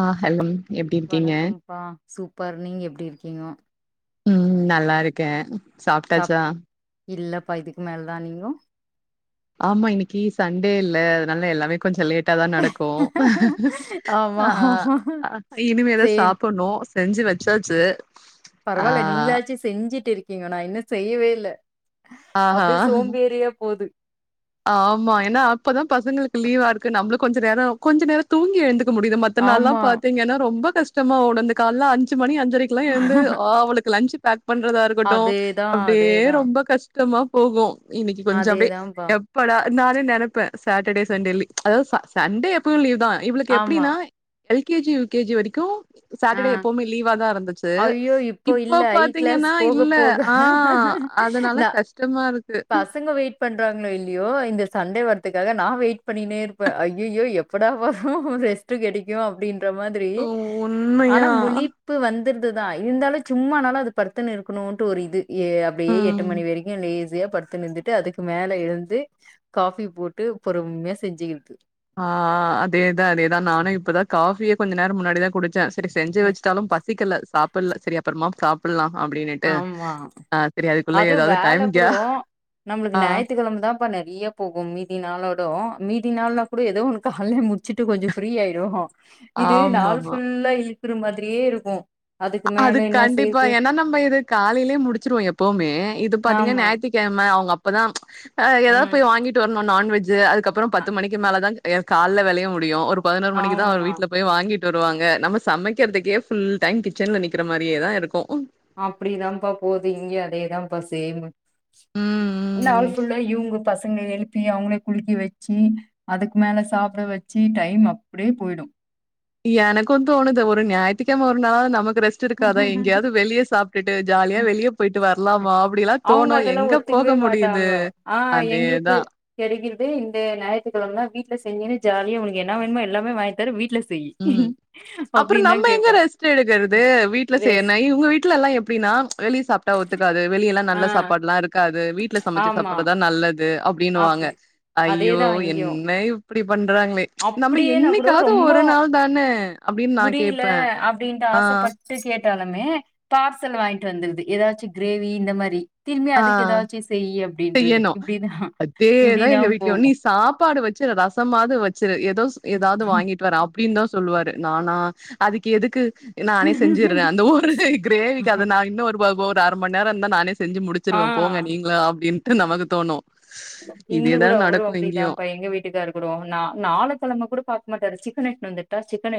ஆ hello எப்டி இருக்கீங்க? வணக்கம்ப்பா சூப்பர் நீங்க எப்டி இருக்கீங்க ம் நல்லா இருக்க சாப்ட்டாச்சா இல்லப்ப இதுக்கு மேல தா நீங்க ஆமா இன்னிக்கு சண்டேல்ல அதனால எல்லாமே கொஞ்ச லேட் லேட்டா தா நடக்கும் ஆமா அ ஆமா இனிமேதா சேம் சாப்டணு செஞ்சு வச்சாச்சு ஆ பரவாயில்ல நீங்களாச்சு செஞ்சிட்டு இருக்கீங்க நா இன்னு செய்யவே இல்ல அப்டியே ஆஹா சோம்பேரியா போது ஆமா ஏன்னா அப்பதா பசங்களுக்கு லீவா இருக்கு நம்ளு கொஞ்ச நேர கொஞ்ச நேர தூங்கி எழுந்துச்சு முடியுது மத்த நாள்ல்லா ஆமா பாத்தீங்கன்னா ரொம்ப கஷ்டமா ஓடு கால அஞ்சு மணி அஞ்சரைக்கு ல்லா எழுந்து ஆ அவளுக்கு லஞ்ச் பேக் பண்றதா இருக்கு இருக்கட்டும் அதேதா அப்டியே அதேதா ரொம்ப கஷ்டமா போகு இன்னிக்கு கொஞ்ச அப்டியே அதேதான்ப்பா ப்படா நானே நினைப்ப சாட்டர்டே சண்டே லிவ் அதாவது சண்டே எப்பயு லீவ் தா இவளுக்கு ஆமா எப்டின்னா எல்கேஜி யுகேஜி வரைக்கும் ஆ சாட்டர்டே எப்பவுமே லீவாதா இருந்துச்சு ஐயோ இப்போ இல்ல இப்ப ஐ கிளாஸ் பாத்தீங்கன்னா போக இல்ல போக ஆ அதனால நா கஷ்டமா இருக்கு பசங்க வெயிட் பண்றாங்களோ இல்லயோ இந்த சண்டே வரத்துக்காக நா வெயிட் பண்ணினே இருப்ப ஐயோ எப்படா வரு ரெஸ்ட் ட்டு கெடைக்கு அப்டின்ற மாரி உ உண்மை ஆனால் முழிப்பு வந்துற்துதா இருந்தாலு சும்மானனாலு அது படுத்துன்னு இருக்கணுன்ட்டு ஒரு இது ஏ அப்டியே எட்டு ம். மணி வரைக்கு லேஸியா படுத்துனு இருந்துட்டு அதுக்கு மேல எழுந்து காஃபி போட்டு பொறும்யா செஞ்சுக்கிற்து ஆ அதேதா அதேதா நானு இப்பதா காஃபியே கொஞ்ச நேரோ முன்னாடிதா குடிச்சே சரி செஞ்சு ம் வச்சுட்டாலு பச பசிக்கல சாப்பட்ல சரியா அப்றமா சாப்புட்லா அப்டின்னிட்டு ஆமா ஆ சரி அதுக்குள்ள ஏதாவ்து டைம்‌ யா நம்ளுக்கு ஞாயித்துக்கெழமதா ப்ப நறைய போகு மீதி நாளோட மீதி நாள்னா கூட ஏதோ ஒன்னு கால்லே முடிச்சுட்டு கொஞ்சோ ஃப்ரீயாயிடு இது நாள் ஆமாமா. ஃபுல்லா இழுக்குற மாதிரியே இருக்கு அதுக்கு அது மேல என்னா கண்டிப்பா. செய்றது ஏன்னா நம்ம இது காலையிலியே முடிச்சிருவோ எப்பவுமே இது பாத்திங்ன்னா ஆமா ஞாயித்துக்கெழம அவுங்க அப்பதா ஹ் ஏதாவது ம் போய் வாங்கிட்டு வரணு நான்வெஜ்ஜு அதுக்கப்றோ அ- பத்து மணிக்கு மேலேதா கால்ல வேலையே முடியு ஒரு பதினோரு மணிக்குதா அவரு ஆமா வீட்ல போய் வாங்கிட்டு வருவாங்க நம்ம சமைக்றதுக்கே புல் டைம் கிச்சன்ல நிக்கிற மாரியேதா இருக்கு அப்டிதாப்பா போது இங்யு அதேதாப்பா செய்னு ம், ம். நாள் ஃபுல்லா இவுங்க பசங்கள எழுப் ப்பி அவுங்ள குளிக்கி வச்சு அதுக்கு மேல சாப்ட வச்சு டைம் அப்டியே பொய்டு எனக்கு தோணுது ஒரு ஞாயித்துகெழம ஒரு நாலாளாவது நமக்கு ரெஸ்ட் இருக்காதா எங்யாவது வெளிய சாப் டுட்டு ஜாலியா வெளியே பொய்ட்டு வர்லாமா அப்டியெலா அவங்க தோணு அதெல்லா எங்க ஒத்துக்கவே போக முடிது அதேதா கெடைக்றது இந்தஞாயித்துக்கெழம வீட்ல செஞ்சினு ஜாலியா உங்ளுக்கு என்ன வேணுமோ எல்லாமே வாங்கி தர வீட்ல செய்யி ம் அப்றோ அப்டின்னு தா நம்ம எங்க கேப்பா ரெஸ்ட் எடுக்கற்து வீட்ல ரெஸ் செய்றனா இங்க வீட்டுலல்லா எப்டின்னா வெளிய சாப்ட்டா ஒத்துக்காது வெளிய எல்லா ஆ நல்ல சாப்பாடுல்லா இருக்காது வீட்ல சமைச்சு ஆமா சாப்புட்றதுதா நல்லது அப்டின்னுவாங்க அப்டி ஐய்யோ அதேதா இங்கயு என்ன இப்டி பண்றாங்ளே நம்ம அப்டியே நா கூட என்னைக்காது ரொம்ப ஒரு நாள் தானே அப்டின்னு நா முடியல கேப்பே அப்டின்ட்டு அ ஆசப்பட்டு கேட்டாலுமே பார்சல் வாய்ட்டு வந்துர்து ஏதாச்சு க்ரேவி இந்த மாரி திரும்பி அதுக்கு ஏதாச்சு செய்யி அப் செய்யணு அதேதா எங்க வீட்லியு நீ போகு சாப்பாடு வச் சு ரசமாது வச்சுரு ஏதோ ஏதாவ்து வாங்கிட்டு வர அப்டின்தா சொல்லுவாரு நானா அதுக்கு எதுக்கு நானே செஞ்சுட்றே அந்த ஒரு கிரேவிக்கு அதை நா இன்னு ஒரு ஒரு அர மண் நேரோ இருந்தா நானே செஞ்சு முடிச் ருவே போங்க ஆ நீங்ளா அப்டின்ட்டு நமக்கு தோணு இங்க கூட அவரு அப்டிதாப்பா எங்க வீட்டுக்காரு அப்றோ நாலு கெழம கூட பாக்க மாட்டாரு சிக்கன் எட்துனு வந்துர்ட்டா சிக்கன்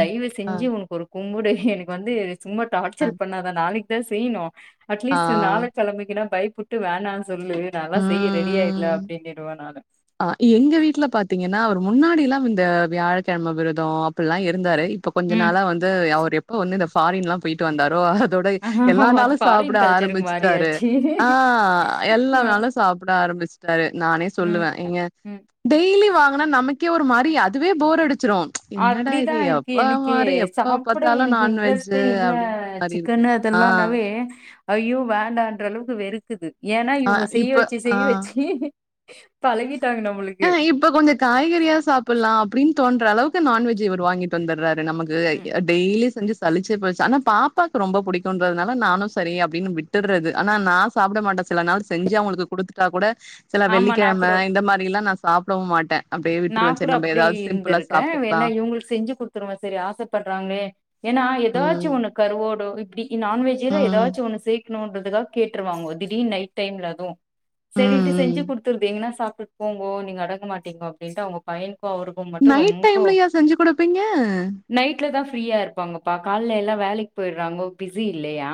ம். ஆ செஞ்சு உனக்கு ஒரு கும்புடு எனக்கு வந்து சும்மா டார்ச்சர் பண்ணாதா நாளைக்கு தா செய்ணு ஆ அட்லீஸ்ட் நாள கெழமைக்கு பை புட்டு வேணான் சொல்லு ம் நாலா செய்ய ரெடி ஆய்ட்ல அப்டின்னு ருவ நானு அ எங்க வீட்ல பாத்திங்கன்னா அவர் முன்னாடில்லா இந்த வியாழக்கெழம விரதோ அப்டில்லா இருந்தாரு இப்ப கொஞ்ச ம் நாளா வந்து அவர் எப்ப வந்து இந்த பாரின்ல்லா பொய்ட்டு வந்தாரோ அதோட எல்லா அது நாலு சாப்ட ஃபாரின் கல்ச்சருக்கு ஆரம்பிச்ட்டாரு மாறியாச்சு ஆ எல்லா ம் நாலு சாப்ட ஆரம்பிச்டாரு நானே ம் சொல்லுவே ஏங்க ம் டெய்லி வாங்குனா நமக்கே ஒரு மாதிரி அதுவே போர் அடிச்சிரு என்னடா இது அப்டிதான் இருக்கு எப்ப எனக்கே மாரி எப்ப சாப்ட பாத்தாலு எனக்கு நான்வெஜ்ஜு அப்டின்ற மாரி இருக்கு ஆ, இதெல்லா நாவே ஐய்யோ வேண்டான்ன்ற அளவுக்கு வெறுக்குது ஏனா ஆ இவுங்க செய்ய இப்ப வச்சு செய்ய ஆ. வச்சு பழகிட்டாங்க ஆ நம்மளுக்கு இப்ப கொஞ்சோ காய்கறியா சாப்பலா அப்டினு தோன்ற அளவுக்கு நான்வெஜ் இவர் வாங்கிட்டு தந்துராறு நமக்கு ம் டெய்லி செஞ்சு தளிச்சே போச்சு ஆனா பாப்பாக்கு ரொம்ப புடிக்கும்ன்றதுனால நானு சரி அப்டின்னு விட்டுறது ஆனா நா சாப்பட மாட்டா சில நாள் செஞ்சு அவங்களுக்கு கொடுத்துட்டா கூட சில ஆமா நான் வெள்ளிக்கிழம கூட இந்த மாரில்லா நா சாப்டவு மாட்டே நா கூட அப்டி இருந்திருக்கே என்னா சாப்பிட்டுக்கலாம். இவங்களுக்கு செஞ்சு குடுத்துருவே சரி ஆசப்படுறாங்கலே ஏன்னா ஏதாச்சு ம். ஒன்னு கருவோடோ இப்டி ம். நான்வெஜ்ல்ல ம். ஏதாச்சு ஒண்ணு செய் [unintelligible] கேட்டுருவாங்க திடீ நைட் டைம்ல அதுவு சரின்ட்டு செஞ்சு ம். குடுத்துருகேன்னா சாப்டு போங்கோ நீங்க அடங்க மாட்டீங்கோ அப்டின்ட்டு அவ்ங்க பையனுக்கு அவருகு நைட் டைம்லயா செஞ்சு கொடுப்பீங்க நைட்ல தா ஃப்ரீயா இருப்பாங்கப்பா கால எல்லா வேலைக்கு போயுடுறாங்கோ பிஸி இல்லையா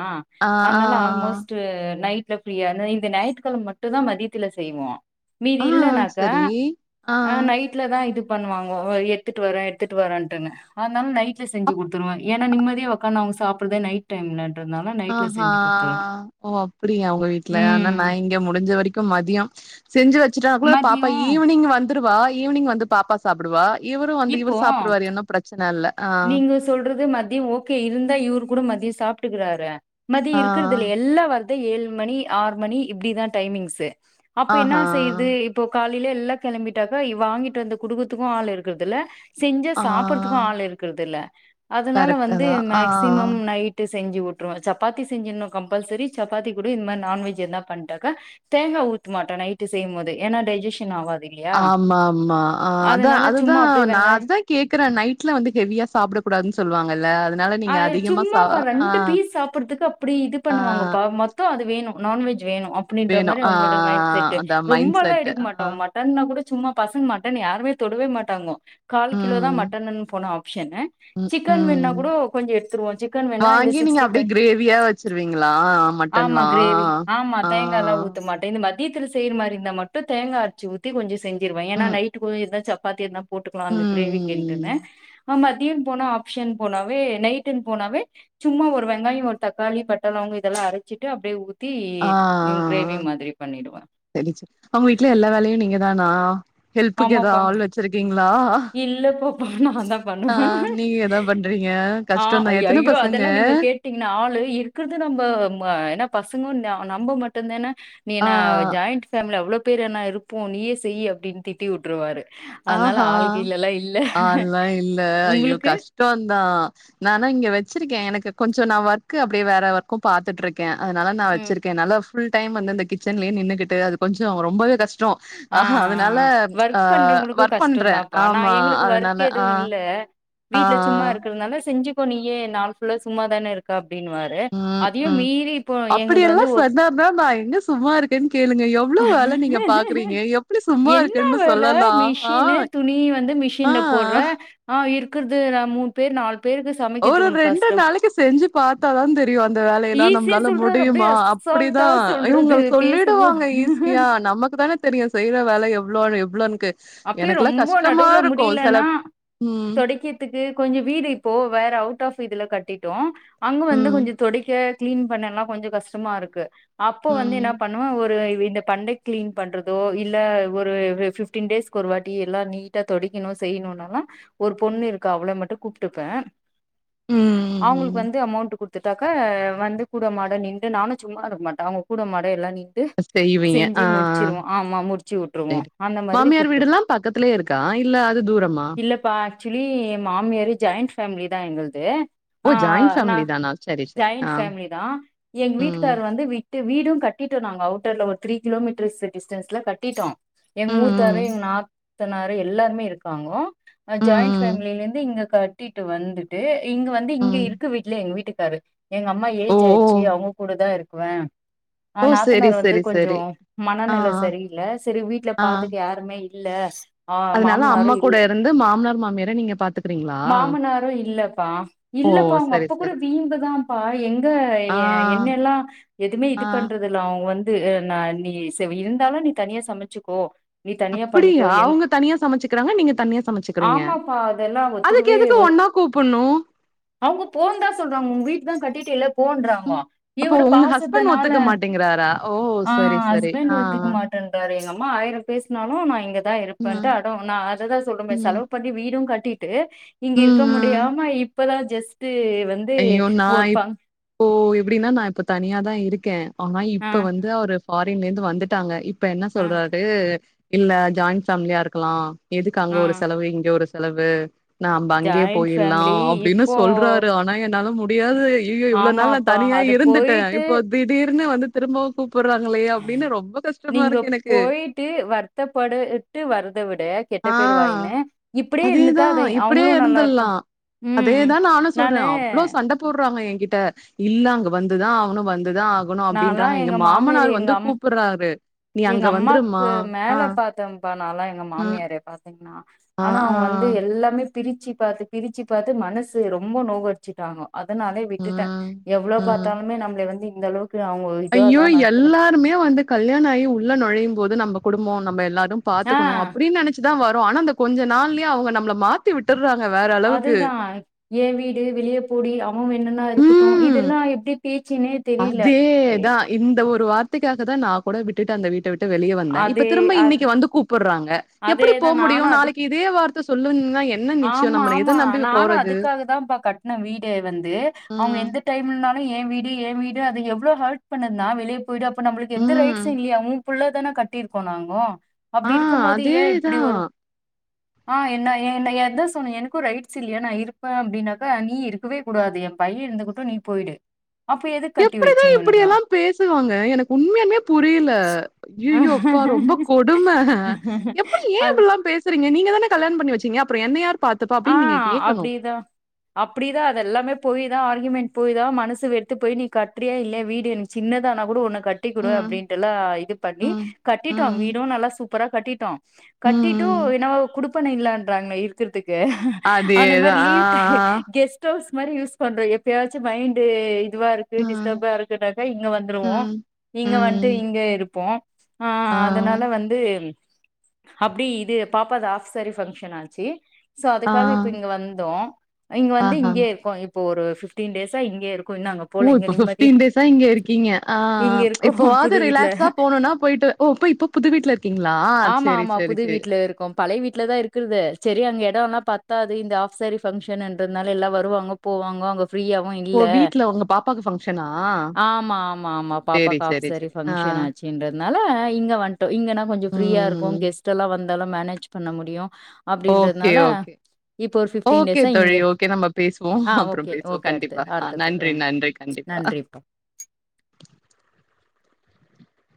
ஆ. ஆ. அதனால ஆல்மோஸ்ட்நைட் பிரீய இந்த ஞாயிற்றுக்கழம மட்டும் தா மதியத்துல செய்வோ மீது ஆ. ஆ இல்னாக்கா சரி. ஆ நைட்ல தா இது பண்ணுவாங்கோ எத்துட்டு வரே எடுத்துட்டு வரேன்ட்டுங்கு அதனால நைட்ல செஞ்சு கொடுத்துருவே ஏன்னா நிம்மதியா உக்காந்து அவங்க சாப்பிறதே நைட் டைம்ன்றுதுனால ஆஹ்ஹா ஓ அப்படியா அவங்க வீட்டு்ல ஆனா நா ம் இங்க முடிஞ்ச வரைக்கு மதியோ செஞ்சு வச்சுட்டா கூட பாப்பா மதியம் ஈவினிங் வந்து வா ஈவினிங் வந்து பாப்பா சாப்புடுவா இவரு வந்து இப்போ இவர் சாப்புடுருவாரு என்னு பிரச்சன இல்ல ஆ. நீங்க சொல்றது மதியோ ஓகே இருந்தா இவரு கூட மதியோ சாப்ட்டுக்குறாரு மதி ஆ. இருக்கறிறது இல்ல எல்லா வரதே ஏழு மணி ஆறு மணி இப்படிதா டைமிங்ஸு அப்ப என்ன ஆஹா! செய்யுது இப்போ காலையில எல்லா கிளம்பிட்டாக்கா இவ வாங்கிட்டு வந்து கொடுக்குறதுக்கு ஆள் இருக்குறதுல்ல செஞ்சா ஆ. சாப்ப டுறதுக்குஆள் இருக்கிறது இல்ல அதனால கரெக்ட்டு வந்து தான். ஆ. மேக்சிமம் நைட் செஞ்சு விட்டுருவே சப்பாத்தி செஞ்சிடுனு கம்பல்சரி சப்பாத்தி கூட இந்த மாரி நான்வெஜ் எதுனா பண்ணிட்டாக்கா தேங்கா ஊத்தமாட்ட நைட்டு செய்யும் போது ஏன்னா டைஜேஷன் ஆவாது இல்லையா ஆமா ஆமா ஆ அதான அதனால அதுதா சும்மா அப்டியே நா வெங்காய அதுதா கேக்கறே நைட்ல வந்து ஹெவியா சாப்புட கூடாதுன்னு சொல்லுவாங்கல்ல அதனால ஆ நீங்க அதிகமா சா சும்மாப்பா ஆ. ரெண்டு பீஸ் சாப்புடுறதுக்கு அப்படி இது ஆ. பண்ணுவாங்கப்பா மொ மொத்தோ அது வேணு நான்வெஜ் வேணு அப்டின்ற வேணும். மாரி ஆ அவங்களோட மைண்ட் செட் அதான் மைண்ட் ரொம்பலா செட். எடுக்க ஆ. மாட்டோம் மட் மட்டன்னா கூட சும்மா பசங்க மட்டன் யாருமே தொடவே மாட்டாங்கோ கால் கிலோ தா ம். மட்டன்ன்னு போன ஆப்ஷன்னு ம். சிக்கன் வேணுன்னா ம். கூடோ கொஞ்சோ எடுத்துருவோ சிக்கன் வேணா இந்த வாங்கி நீங்க அப்டியே சிக்டிபைவ் கிரேவியா வச்சிருவீங்களா ஆமா மட்டன்லா கிரேவி ஆமா ஆ தேங்க தேங்கால்லா ஊத்த மாட்டே இந்த மத்தியத்தில செய்ற மாரி இருந்தா மட்டு தேங்கா அரச்சி ஊத் தி கொஞ்சோ செஞ்சிடுவே ஏன்னா ம் நைட்டு்கு இருந்தா சப்பாத்தி இருந்தா போட்டுக்கலா ம் அந்த கிரேவி ம் கின்ட்டுனு மதியம் போன ஆப்ஷன் போனாவே நைட்டுன்னு போனாவே சும்மா ஒரு வெங்காயோ ஒரு தக்காளி பட்டாளவங்க இதெல்லா அரைச்சிட்டு அப்டியே ஊத்தி ஆ கிரேவி மாரி பண்ணிடுவே அவங்க வீட்டு்ல எல்லா வேலையு நீங்க தானா ஹெல்ப்புக்கு ஏதா ஆள் வச்சிருக்கீங்களா இல்லப்பப்பா நா தா ஆ பண்ணுவே நீங்க எதா பண்றீங்க ஆ கஷ்டந்தா எத்தன ஐயோ அதெல்லா பசங்க நீங்க கேட் கேட்டீங்கனா ஆளு இருக்கறது நம்ம ம்ம ஏனா பசங்கு நம்ம மட்டும் தான நீ என்ன ஆ ஜாயிண்ட் ஃபேமிலி அவ்ளோ பேர் என்ன இருப்போ நீயே செய்யி அப்டின்னு திட்டி விட்டுருவாரு அதனால ஆளு அ ஆல் லா இல்ல அய்யோ உங்களுக்கு? கஷ் டோதா நானா இங்க வச்சிருக்கே எனக்கு கொஞ்சோ நா ஒர்க்கு அப்டியே வேற ஒர்க்கு பாத்துட்டு இருக்கே அதனால நா ம். வச்சிருக்கே நால்லா ஃபுல் டைம் வந்து அந்த கிச்சன்லயே நின்னு கிட்டு அது கொஞ்சம் ரொம்பவே கஷ்டம் ஆ, ஆஹா ஆ, அதனால ஆ. ஆ வொர்க் பண்றவங்களுக்கு ஒர்க் கஷ்டம் பண்ற தான்ப்பா. நான் ஆமா அதனால ஆ ஆ வீட்டுல சும்மா இருக்கிறதுனால செஞ்சிக்கோ நீயே நாள் ஃபுல்லா சும்மா தான இருக்க அப்படின்னுவாரு உம் அதையும் உம் மீறி இப்போ எங்களுது வந்து அப்படியெல்லாம் ஒ சொன்னார்னா நா எங்க சும்மா இருக்கேன் கேளுங்க எவ்வளவு வேல நீங்க பாக்குறீங்க எப் என்ன வேல மிஷினு துணி வந்து மிஷின்ல ஆ. போட்ற ஆ இருக்குறது நா மூணு பேர் நாலு பேருக்கு ஒரு சமைக்கிறது உனக்கு ரெண்டு கஷ்டம். நாளைக்கு செஞ்சு பாத்தாதான் தெரியும் அந்த வேலையெல்லாம் ஈஸியா நம்மளால சொல்றாரு. அப்படியே முடியுமா அசால்ட்டா அப்படிதான் இவுங்க சொல்றது பேசும்போது. சொல்லிடுவாங்க ஈஸியா நமக்கு தான தெரியும் செய்யற வேல எவ்ளோன்னு எவ்வளோனுக்கு அப்டியே ரொம்ப நடுவுல முடியலன்னா ம், தொடக்கி றதுக்கு கொஞ்சம் வீடு இப்போ வேற அவுட் ஆஃப் இதுல கட்டிட்டோம் அங்க வந்து ம், கொஞ்சோ தொடைக்க கிளீன் பண்ணல்லாம் கொஞ்சம் கஷ்டமா இருக்கு அப்ப வந்து என்ன ம், பண்ணுவன் ஒரு இந்த பண்டை கிளீன் பண்றதோ இல்ல ஒரு ஃபிஃப்டீன் டேஸ் கு ஒரு வாட்டி எல்லா நீட்டா தொடைக்கணு செய்யணுனால்லா ஒரு பொண்ணு இருக்கா அவள மட்டும் கூப்ட்டுப்பன் ம், அவுங்களுக்கு ம். வந்து அமௌண்ட் கொடு த்துட்டாக்க வந்து கூட மாட நின்று நானும் சும்மா இருக்க மாட்டேன் அவுங்க கூட மாட எல்லாம் நின் ட்டு செய்வீங்க. செஞ்சு ஆ, முடிச்சிருவோம் ஆமா முடிச்சு விட்ருவோம் அந்த மாதிரி கூப்பிட்டு பக்கத்துலயே இருக்கா இல்ல அது தூரமா இல்லப்பா ஆக்சுவலி ஏன் மாமியாரு ஜாயிண்ட் ஃபேமிலி தான் எங்கள்து ஓ! ஆ ஜாயிண்ட் நா ஃபேமிலி தானா? சரி, சரி. ஜாயிண்ட் ஆ. ஃபேமிலி தான் எங்க வீட்டுகார் ம். வந்து வீடும் கட்டிட்டோம் நாங்க அவுட்டர்ல ஒரு த்ரீ கிலோமீட்டர்ஸ் டிஸ்டன்ஸ்ல கட்டிட்டோம் எங் ம், மூத்தாரு எங் ம். நாத் நாத்தனாரு எல்லாருமே இருக்காங்க ம், ஜாயிண்ட் ம், ஃபேமில இருந்து இங்க கட்டிட்டு வந்து ட்டு இங்க வந்து இங்க ம். இருக்க விடல எங்க வீட்டுக்காரு எங்க அம்மா ஓ! ஏஜ்ஜ வச்சி ஓ! அவுங்க கூட தான் இருக்குவ ஆ ஓ, சரி, நாத்தனார் வந்து சரி, சரி. கொஞ்சம் ஆ, மனநிலை சரியில்ல சரி வீட்டுல ஆ. பாத்துக்க யாருமே இ இல்ல ஆ அதனால அம்மா மாமனாரும் கூட இல்ல இருந்து மாமனார், மாமியார நீங்க பாத்துக்கிறீங்களா? மாமனாரும் இல்லப்பா ஓ! இல்லப்பா அவுங்க சரி, அப்ப கூட சரி. வீம்புக்குதாம்ப்பா எங்க ஆ, என்னெல்லா எதுமே ஆ. இது பண்றத் துல அவுங்க வந்து நா நீ சரி இருந்தாலும் நீ தனியா சமச்சுக்கோ நீ தனியா அப்பிடியா பண்ணிக்கோ எங் அவுங்க தனியா சமச்சுக்கிறாங்க நீங்க தனியா சமச்சுக்கிறீங்க ஆமாப்பா அதெல்லா அதுக்கு எதுக்கு ஒன்னா கூப்புன்னு அவுங்க போன்தா சொல்றாங்க ஒங்வீட்தான் கட்டிட்டில்ல போன்றாங்கோ இவுரு பாசத்தனால டிங்கறாரா ஓ சரி சரி அ அ மாட்டண்றாரு எங்கம்மா ஆயிரம் பேசுனாலும் நா இங்கதான் ஆ. இருப்பன்டு ம், அடம் நா அததான் சொல்றன் ப ம். செலவு பத்தி வீடும் கட்டிட்டு இங்க ம், இருக்க ம். முடியாம இப்பதான் ஜஸ்ட்டு வந் ஐயோ நா இப்போ எப்டின்னா நா இப்ப தனியாதா இருக்கேன் ஆனா ஆ இப்ப வந்து அவரு ஃபாரின்ல இருந்து வந்துட்டாங்க இப்ப என்ன ஆ சொல்றாரு இல்ல ஜாயிண்ட் ஃபேமிலியா இருக்கலா எதுக்கு அங்க ஆ ஒரு செலவு இங்க ஒரு செலவு நா அம்ப அங்கே ஜாயிண்ட் போயிட்லா ஃபேமிலி அப்டின் இப்போ சொல்றாரு நா என்னால முடியாது ஐயயோ இவ்ளோ நாள் நா ஆமாப்பா தனியா அது இருந்துட்டன் போயிட்டு இப்போ திடீர்னு வந்து திரும்பவும் கூப்புட்றாங்களே அப்டின்னு ரொம்ப கஷ்டமா நீங்க இருக்கு எனக்கு விட்டு வர்றத விட கெட்ட ஆ பேர் வாயின்னு இப்படியே இருந்துட்டா அதேதா அத அவுங்களும் நல்லாருப்பா அதேதான் நானும் சொல்ற அவ்ளோ ச சண்ட போட்றாங்க என்கிட்ட இல்ல அங்க வந்துதான் ஆகனும் வந்துதான் ஆக னும் நாலா அப்டின்றாங்க எங்க மாமியார் மாமனார் எங்க வந்து அம் கூப்பறாரு நீ அங்க வந்துருமா அ ப்பா நான்லா எங்க மாமியாரே பாத்துக்னா ஆ ஆனா ஆ அவுங்க வந்து எல் லாமே பிரிச்சி பாத்து பிரிச்சி பாத்து மனசு ரொம்ப நோகட் ச்சிட்டாங்கோ அதனாலே விட்டுட்டேன் ம் எவ்ள ம் பாத்தாலுமே நம்பளே வந்து இந்த அளவுக்கு அவுங்க ஐயோ எல்லாருமே வந்து கல்யாண ஆயி உள்ள நொழையும் போது நம்ப குடும்பம் நம்ப எல்லாரும் ஆ பாத்துக்கணும் அப்டின்னு நெனச் சிதான் வரோம் ஆனா அந்த கொஞ்ச நாள்யே அவுங்க நம்பள மாத் த்தி விட்டர்றாங்க வேற அளவுக்கு. அதுதான் ஏ வீடு வெளியப் போடி என்னென்னா இருக்கட்டும் ம். இதல்லாம் எப்டி பேச்சின்னே தெரில அதேதான். இந்த ஒரு வார்த்தைக்காக தா நா கூட விட்டுட்டு அந்த வீட்ட விட்டு வெளிய வந்தன் இப்ப அதே திரும்ப அ- இன்னக்கி வந்து கூப் பட்றாங்க எப்டி அதேதான் போமுடியும் நானும் அதுக்கு நாளக்கி இதே வார்த்தை சொல்லுவீங்ன்னா என்ன நிச்சயம் ஆமா நம்பன எத நம்பி போறது வீடே வந்து அவுங்க ம். எந்த டைம்லன்னாலு ஏன் வீடு ஏன் வீடு அது எவ்ளோ ஹர்ட் பண்ணதுன்னா வெளிய போயிடு அப்ப நம்புளுக்கு எந்த ம். ரைட்ஸ்ஸு இல்யா உ புள்ளதான கட்டிர்க்கோ நாங்கோ அ அப்டி அதேதான் அ என்ன என்ன எத சொன் எனக்கும் ரைட்ஸ் இல்லையா நா இருப்பன் அப்டின்னாக்கா நீ இருக் கவே கூடாது என் பையன் இந்துகட்டும் நீ போயிடு அப்ப எதுக் எப்டிதான் இப்டியெல்லாம் பேசுவாங்க எனக்கு உண்மையான்மே புரில அயயோ அப்பா ரொம்ப கொடும எப்டி ஏன் அது இப்பல்லா பேச ரிங்க நீங்கதான கல்யாணம் பண்ணி வச்சிங்க அப்றம் என்ன யார் பார்த்துப்பா? அ அப்படின்னு நீங்க கேட்கணும். அப்டிதான் அப்டிதான் அதல்லாமே போய் தா ஆர்க்யூமெண்ட் போய் தா மனசு வெறுத்து போய் நீ கட்றியா இல்யா வீடு சின்னதானா கூட ஒன்னு கட் கட்டிக்குடு ம், அப்டின்ட்டல்லாம் இது பண்ணி ம், கட்டிட்டோம் ம், ம், வீடும் நல்லா சூப்பரா கட்டிட்டோம் கட்டிட்டு ம். என்னாவோ குடுப்பன இல்லன்றாங்களே இருக்கறத்துக்கு அந்த மாரி அதேதான். ஆ, லீவ்ட்டு கெஸ்ட் டவுஸ் மாரி யூஸ் பண்ற எப்பயாச்சும் மைண்டு இதுவாருக் ஆ. ம், டிஸ்டர்பா இருக்குன்னாக்கா இங்க வந்துருவோம் ம், இங்க வன்ட்டு ம். இங்க இருப்போம் அ ஆ, அதனால வந்து து அப்டி இது பாப்பாது ஆஃப்சாரி ஃபங்க்ஷன் ஆச்சி சோ ஆ, அதுக்காக இப்ப இங்க வந்தோம் இங்க வந்து ஆஹா. இங்கேயே இருக்கோ இப் இப்ப ஒரு ஃபிப்டீன் டேசா இங்கே இருக்கு இன்னு அங்க ஓ போல இங்க இப்ப நிம்மதியா பிப்டீன் டேசா இங்க இருக்கீங்க ஆ ஆ இங்க இருக்கோ புது எப்பவாது வீட்ல ரிலாக்சா போனுன்னா போயிட்டு ஓ இப்ப இப்ப புது வீட்ல இருக்கீங்களா செரி செரி செரி பழய வீட்ல தா இருக்கர்து செரி அங்க எடோலா பத்தாது இந்த ஆப்சேரி ஃபங்க்ஷன்றனால எல்லா வருவாங்க போவாங்க அவங்க ஃபீரியா ஓ! இல்ல வீட்ல உங்க பாப்பாக்கு ஃபங்ஷனா? ஆமா ஆமா ஆமா சேரி பாப்பாக்கு சேரி ஆப்சேரி சேரி ஆ ஃபன்ஷன் இன்றதுனால இங்க வந்துட்டோ இங்கன்னா கொஞ்ச ஃப்ரீயா இருக்கு ம். கெஸ்ட் வந்தாலு மேனேஜ் பண்ண முடியு அப்டின்றது ஓகே ஓகே ஓகே இங்க தோழி ஓகே நம்ம பேசுவோ ஆ அப்ரோ ஓகே. பேசுவோ ஓகே. அடுத்து. கண்டிப்பா ஆ அடுத்த கால். நன்றி நன்றி கண்டிப்பா நன்றி.